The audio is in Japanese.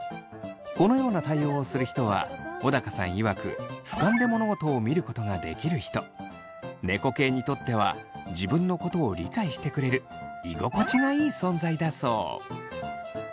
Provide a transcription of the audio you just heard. このような対応をする人は小高さんいわく猫系にとっては自分のことを理解してくれる居心地がいい存在だそう。